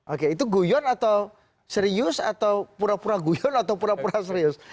oke itu guyon atau serius atau pura pura guyon atau pura pura serius